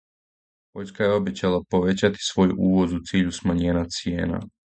Пољска је обећала повећати свој увоз у циљу смањења цијена.